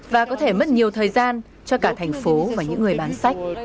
và có thể mất nhiều thời gian cho cả thành phố và những người bán sách